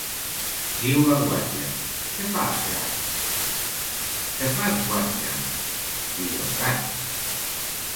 Diu la guatlla: —Què fas gat? —Què fas guatlla?, diu el gat.